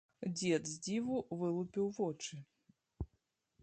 Дзед з дзіву вылупіў вочы.